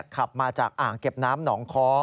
ขับมาจากอ่างเก็บน้ำหนองคอ